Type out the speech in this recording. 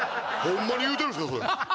ホンマに言うてるんですかそれ？